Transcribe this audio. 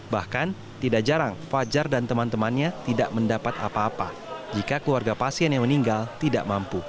bahkan tidak jarang fajar dan teman temannya tidak mendapat apa apa jika keluarga pasien yang meninggal tidak mampu